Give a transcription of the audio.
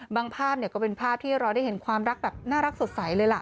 ภาพก็เป็นภาพที่เราได้เห็นความรักแบบน่ารักสดใสเลยล่ะ